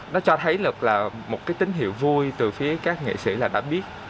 nó cho thấy là một cái tín hiệu vui từ phía các nghệ sĩ là đã biết